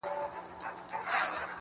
دا ستا دسرو سترگو خمار وچاته څه وركوي~